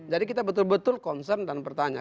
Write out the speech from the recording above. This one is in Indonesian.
jadi kita betul betul concern dan bertanya